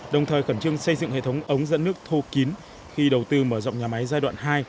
đồng thời khẩn trương xây dựng hệ thống ống dẫn nước thô kín khi đầu tư mở rộng nhà máy giai đoạn hai